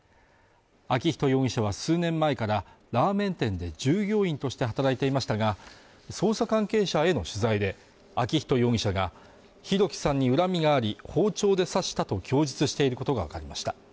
昭仁容疑者は数年前からラーメン店で従業員として働いていましたが捜査関係者への取材で昭仁容疑者が弘輝さんに恨みがあり包丁で刺したと供述していることが分かりました